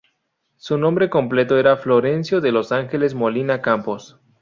Su nombre completo era Florencio de los Ángeles Molina Campos.